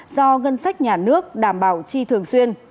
do ngân sách nhà nước đảm bảo chi thường xuyên